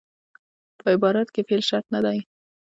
په عبارت کښي فعل شرط نه دئ.